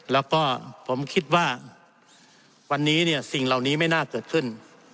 แล้วก็ผมคิดว่าวันนี้เนี่ยสิ่งเหล่านี้ไม่น่าเกิดขึ้น